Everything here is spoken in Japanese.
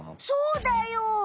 そうだよ！